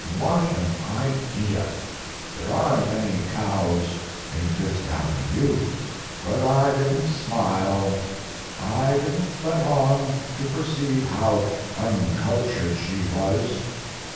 What an idea! There aren't any cows in Fifth Avenue. But I didn't smile; I didn't let on to perceive how uncultured she was.